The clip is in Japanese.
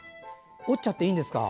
折っちゃっていいんですか。